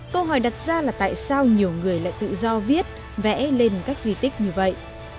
câu hỏi đặt ra là tại sao nhiều người lại tự do viết vẽ lên các di tích như vậy